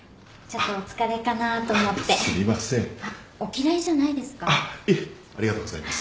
あっいえありがとうございます。